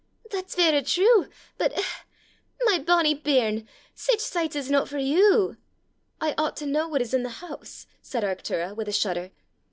"That's varra true! But eh, my bonnie bairn, sic sichts is no for you!" "I ought to know what is in the house!" said Arctura, with a shudder.